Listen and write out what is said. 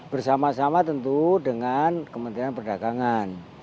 bersama sama tentu dengan kementerian perdagangan